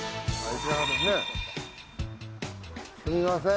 すみません。